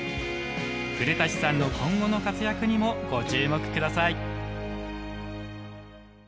古舘さんの今後の活躍にもご注目ください。